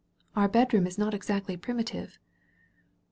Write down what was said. Our bedroom is not exactly primitive."